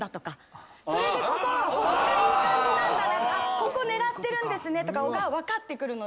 ここ狙ってるんですねとかが分かってくるので。